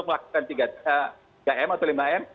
melakukan tiga m atau lima m